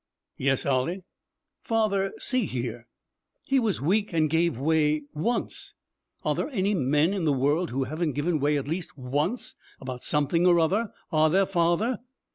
'Yes, Ollie.' 'Father, see here. He was weak and gave way once! Are there any men in the world who haven't given way at least once about something or other? are there, father?'